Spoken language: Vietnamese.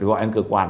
gọi anh cơ quan